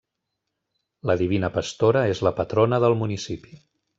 La Divina Pastora és la patrona del municipi.